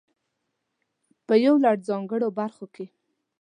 په يو لړ ځانګړو برخو کې.